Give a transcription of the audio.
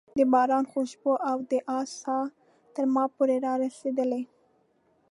د باران خوشبو او د آس ساه تر ما پورې رارسېدل.